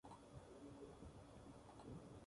La línea Cabimas-Lagunillas pasa por la Av.